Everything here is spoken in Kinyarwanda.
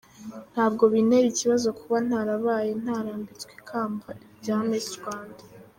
Ntabwo bintera ikibazo kuba ntarabaye ntarambitswe ikamba rya Miss Rwanda”.